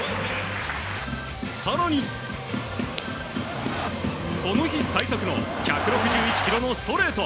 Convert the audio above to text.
更に、この日最速の１６１キロのストレート。